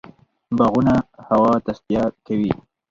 باغونه هوا تصفیه کوي.